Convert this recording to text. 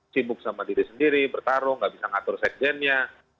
sibuk sama diri sendiri bertarung nggak bisa ngatur sekjennya